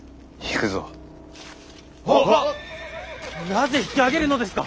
なぜ引き揚げるのですか！